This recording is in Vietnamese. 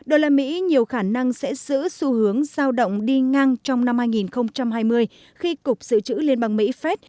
usd nhiều khả năng sẽ giữ xu hướng giao động đi ngang trong năm hai nghìn hai mươi khi cục dự trữ liên bang mỹ fed